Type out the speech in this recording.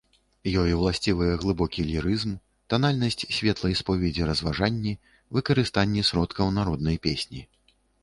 Ёй уласцівыя глыбокі лірызм, танальнасць светлай споведзі-разважанні, выкарыстанне сродкаў народнай песні.